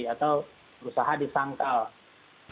atau berusaha disangkal